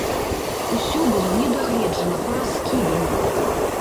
Усё было не дагледжана, параскідана.